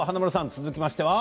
続きましては。